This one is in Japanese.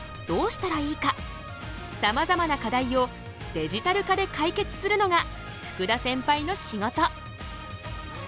さまざまな課題をデジタル化で解決するのが福田センパイの仕事。